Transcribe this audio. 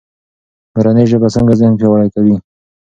مورنۍ ژبه څنګه ذهن پیاوړی کوي؟